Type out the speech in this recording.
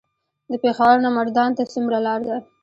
د پېښور نه مردان ته څومره لار ده؟